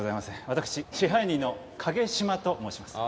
私支配人の影島と申します。